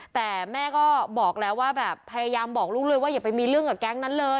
แต่แม่ก็บอกแล้วว่าแบบพยายามบอกลูกเลยว่าอย่าไปมีเรื่องกับแก๊งนั้นเลย